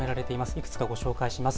いくつかご紹介します。